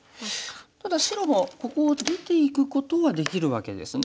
ただ白もここを出ていくことはできるわけですね。